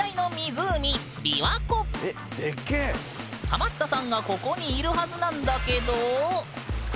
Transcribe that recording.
ハマったさんがここにいるはずなんだけど。